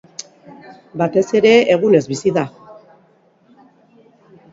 Batez ere egunez bizi da.